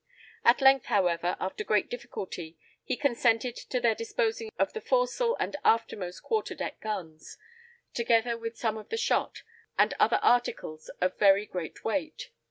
At length, however, after great difficulty, he consented to their disposing of the fore castle and aftermost quarter deck guns, together with some of the shot, and other articles of very great weight.